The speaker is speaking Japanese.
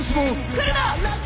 来るな！